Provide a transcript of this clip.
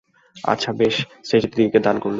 আচ্ছা বেশ, সেজদিদিকে দান করলুম।